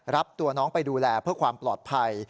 รับตัวน้องไปดูแลเพื่อความปลอดภัย